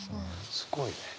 すごいね。